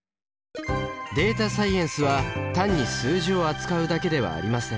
データサイエンスは単に数字を扱うだけではありません。